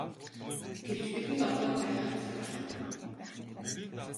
Гэвч бидэнд одоо гайхах цаг алга.